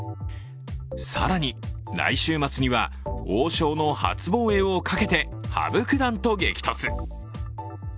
更に来週末には王将の初防衛をかけて羽生九段と激突。